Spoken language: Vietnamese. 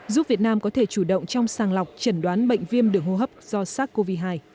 giúp việt nam có thể chủ động trong sàng lọc trần đoán bệnh viêm đường hô hấp do sars cov hai